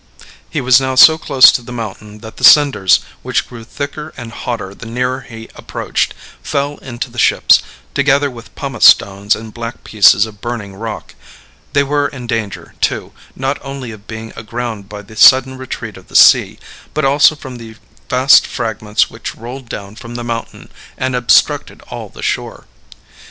He was now so close to the mountain that the cinders, which grew thicker and hotter the nearer he approached, fell into the ships, together with pumice stones and black pieces of burning rock; they were in danger, too, not only of being aground by the sudden retreat of the sea, but also from the vast fragments which rolled down from the mountain and obstructed all the shore.